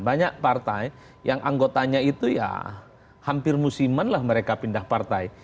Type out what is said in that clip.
banyak partai yang anggotanya itu ya hampir musiman lah mereka pindah partai